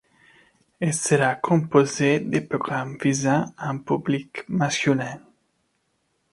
Elle sera composée de programmes visant un public masculin.